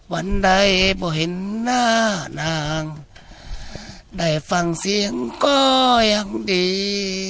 วันใดบ่เห็นหน้านางได้ฟังเสียงก็ยังดี